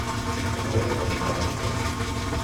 Bɣiɣ ad rnuɣ akeffay.